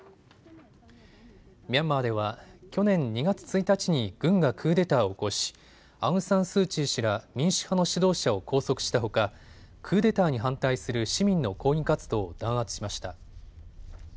ミャンマーでは去年２月１日に軍がクーデターを起こしアウン・サン・スー・チー氏ら民主派の指導者を拘束したほかクーデターに反対する市民の抗議活動を弾圧しました。